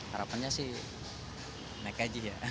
harapannya sih naik aja ya